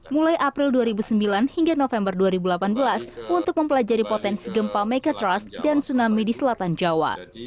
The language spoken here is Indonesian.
mulai april dua ribu sembilan hingga november dua ribu delapan belas untuk mempelajari potensi gempa megatrust dan tsunami di selatan jawa